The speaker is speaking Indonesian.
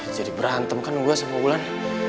jadi berantem kan gue sama ulan